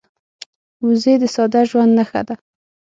وزې د ساده ژوند نښه ده